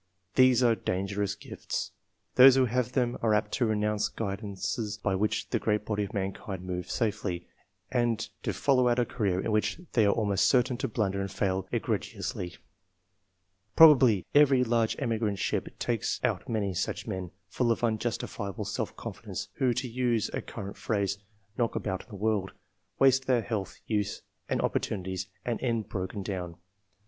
These are dangerous gifts. Those who have them are apt to renounce guidances by which the great body of mankind move safely, and to follow out a career in which they are almost certain to blunder and fail egregiously. Probably every large emigrant ship takes out many such men, full of unjustifiable self confidence, who, to use a current phrase, " knock about in the world," waste their health, youth, and opportunities, and end bro ken down.